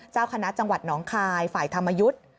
เจ้าคณะจังหวัดน้องคายฝ่ายธรรมยุทธ์